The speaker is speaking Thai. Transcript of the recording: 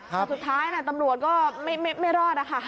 แต่สุดท้ายตำรวจก็ไม่รอดนะคะ